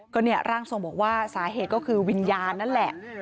ก็เนี่ยร่างทรงบอกว่าสาเหตุก็คือวิญญาณนั่นแหละ